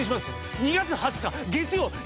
２月２０日月曜夜７時。